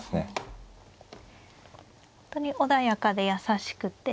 本当に穏やかで優しくて。